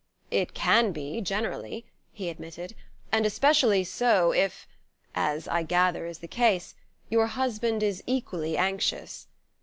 "It can be generally," he admitted; "and especially so if... as I gather is the case... your husband is equally anxious...."